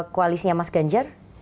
koalisinya mas ganjar